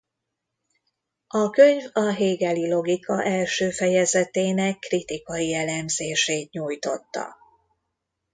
A könyv a hegeli logika első fejezetének kritikai elemzését nyújtotta.